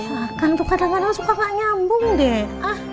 ya kan tuh kadang kadang suka nggak nyambung deh